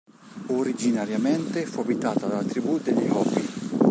Originariamente fu abitata dalla tribù degli Hopi.